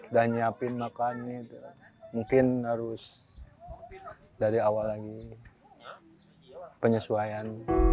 dan nyiapin makannya mungkin harus dari awal lagi penyesuaian